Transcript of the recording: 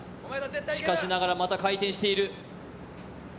しかしながら、また回転している。